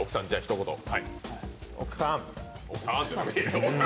奥さん。